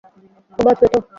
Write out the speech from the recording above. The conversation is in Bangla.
ও বাঁচবে তো?